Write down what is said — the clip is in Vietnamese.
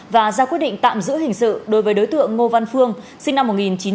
và ra quyết định tạm giữ hình sự đối với đối tượng ngô văn phương sinh năm một nghìn chín trăm tám mươi